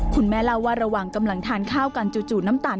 คุณแม่เล่าว่าระหว่างกำลังทานข้าวกันจู่น้ำตาล